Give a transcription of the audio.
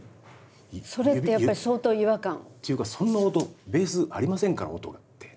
それってやっぱり相当違和感？というか「そんな音ベースありませんから音が」って。